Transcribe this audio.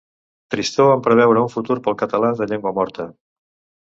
Tristor en preveure un futur pel català de llengua “morta” .